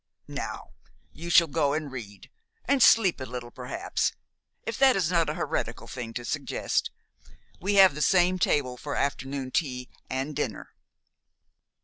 Now you shall go and read, and sleep a little perhaps, if that is not a heretical thing to suggest. We have the same table for afternoon tea and dinner."